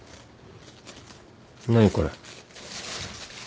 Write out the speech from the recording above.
何これ。